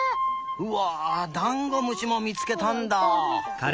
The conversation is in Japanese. うわダンゴムシもみつけたんだ。